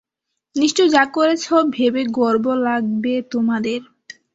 নিশ্চয়ই যা করেছ ভেবে গর্ব লাগবে তোমাদের!